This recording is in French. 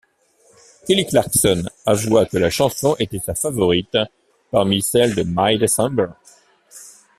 Kelly Clarkson avoua que la chanson était sa favorite parmi celle de My December.